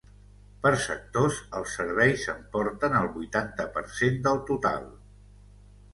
Per sectors, els serveis s’emporten el vuitanta per cent del total.